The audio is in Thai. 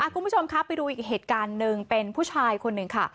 คุณผู้ชมครับไปดูอีกเหตุการณ์หนึ่งเป็นผู้ชายคนหนึ่งค่ะ